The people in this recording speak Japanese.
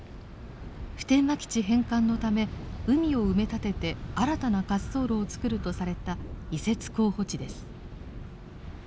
普天間基地返還のため海を埋め立てて新たな滑走路を造るとされた移設候補地です。